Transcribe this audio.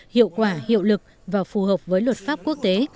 hiệu quả hiệu lực và phù hợp với luật pháp quốc tế